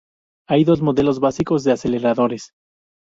Hay dos modelos básicos de aceleradores.